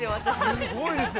◆すごいですよ。